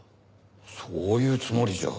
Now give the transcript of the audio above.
そういうつもりじゃ。